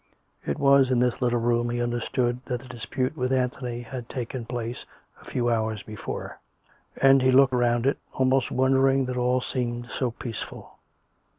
It was in this little room, he understood, that the dispute with Anthony had taken place a few hours before, and he looked round it, almost wondering that all seemed so peaceful.